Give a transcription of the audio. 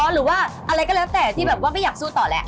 หรือว่าอะไรก็แล้วแต่ที่ไม่อยากสู้แล้ว